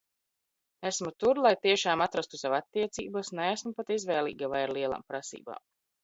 Esmu tur lai tiešām atrastu sev attiecības, neesmu pat izvēlīga vai ar lielām prasībām.